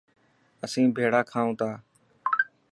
اسين ڀيڙا کائون تا.